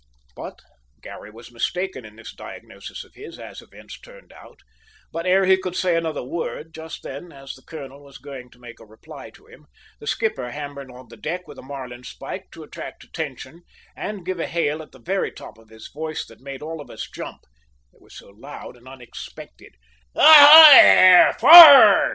But Garry was mistaken in this diagnosis of his, as events turned out; but, ere he could say another word, just then as the colonel was going to make a reply to him, the skipper hammered on the deck with a marling spike to attract attention and give a hail at the very top of his voice that made us all jump, it was so loud and unexpected. "Ahoy there, forrad!"